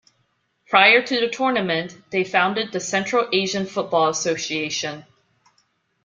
Prior to the tournament, they founded the Central Asian Football Association.